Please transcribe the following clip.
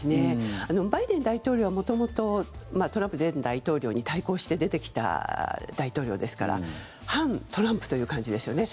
バイデン大統領は元々、トランプ前大統領に対抗して出てきた大統領ですから反トランプという感じですよね。